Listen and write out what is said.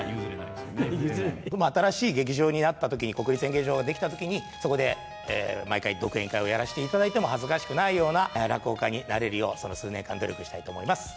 新しい劇場になったときに、国立演芸場が出来たときにそこで毎回、独演会をやらせていただいても恥ずかしくないような落語家になれるよう、その数年間努力したいと思います。